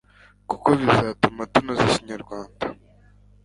Kuko bizatuma tunoza ikinyarwanda